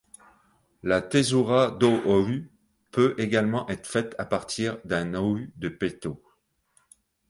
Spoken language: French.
La tesoura do aú peut également être faite à partir d'un aú de peito.